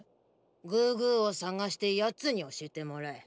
グーグーを捜して奴に教えてもらえ。